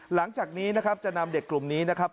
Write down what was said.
หลังจากนี้นะครับจะนำเด็กกลุ่มนี้นะครับ